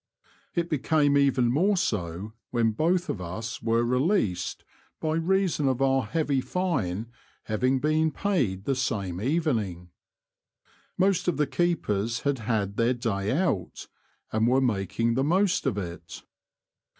It became even more so when both of us were released by reason of our heavy fine having been paid the same evening. Most of the keepers had had their day out, and were making the most of it.